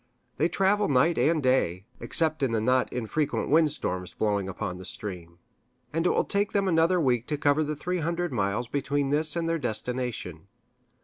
They travel night and day, except in the not infrequent wind storms blowing up stream; and it will take them another week to cover the three hundred miles between this and their destination.